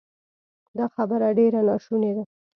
دا خبره ډېره ناشونې ده